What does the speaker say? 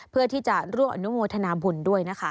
เพื่อที่จะร่วมอนุโมทนาบุญด้วยนะคะ